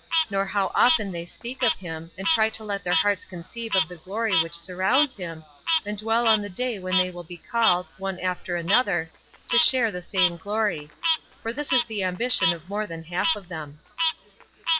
Nor how often they speak of him, and try to let their hearts conceive of the glory which surrounds him, and dwell on the day when they will be called, one after another, to share the same glory; for this is the ambition of more than half of them.